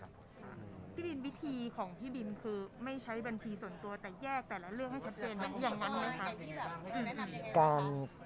พี่บินวิธีของผู้บินคือไม่ใช้บัญชีส่วนตัวแต่แยกแต่ละให้ชัดเป็นอย่างนั้นไหมคะ